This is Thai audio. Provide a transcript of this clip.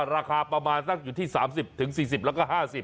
ราคาประมาณสักอยู่ที่๓๐๔๐แล้วก็๕๐บาท